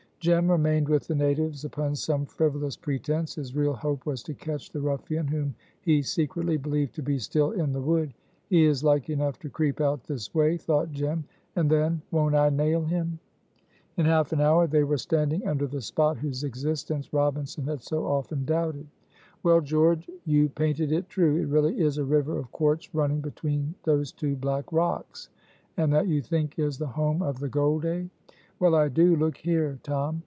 Jem remained with the natives upon some frivolous pretense. His real hope was to catch the ruffian whom he secretly believed to be still in the wood. "He is like enough to creep out this way," thought Jem, "and then won't I nail him!" In half an hour they were standing under the spot whose existence Robinson had so often doubted. "Well, George, you painted it true. It really is a river of quartz running between those two black rocks. And that you think is the home of the gold, eh?" "Well, I do. Look here, Tom!